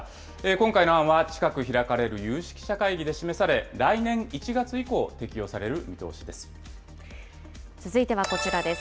今回の案は近く開かれる有識者会議で示され、来年１月以降、適用続いてはこちらです。